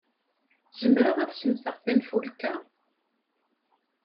Zemreɣ ad semmteɣ tanfult-a?